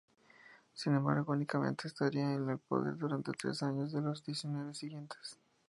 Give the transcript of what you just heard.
Sin embargo, únicamente estarían en el poder durante tres años de los diecinueve siguientes.